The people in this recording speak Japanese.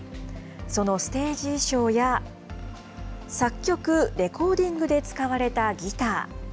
そのステージ衣装や作曲、レコーディングで使われたギター。